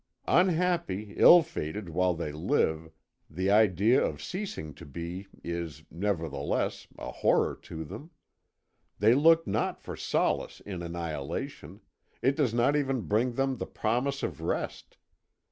"Unhappy, ill fated, while they live, the idea of ceasing to be is, nevertheless, a horror to them. They look not for solace in annihilation, it does not even bring them the promise of rest.